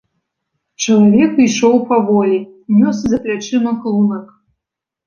Чалавек ішоў паволі, нёс за плячыма клунак.